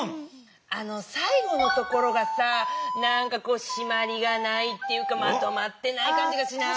最後のところがしまりがないっていうかまとまってない感じがしない？